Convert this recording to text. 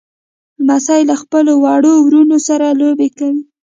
لمسی له خپلو وړو وروڼو سره لوبې کوي.